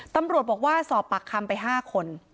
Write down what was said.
ตำรวจบอกว่าสอบปากคำไป๕คน